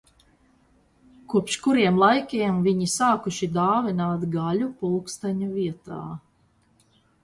Kopš kuriem laikiem viņi sākuši dāvināt gaļu pulksteņa vietā?